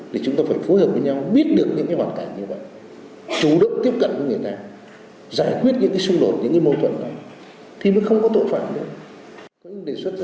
thì chúng ta phải phối hợp với nhau biết được những hoàn cảnh như vậy chủ động tiếp cận với người ta giải quyết những xung đột những mâu thuẫn này thì mới không có tội phạm nữa